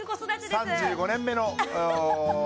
３５年目のお。